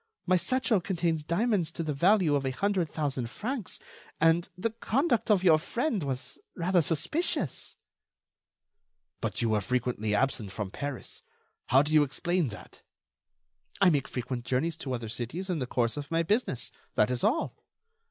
My satchel contains diamonds to the value of a hundred thousand francs, and the conduct of your friend was rather suspicious." "But you were frequently absent from Paris. How do you explain that?" "I make frequent journeys to other cities in the course of my business. That is all."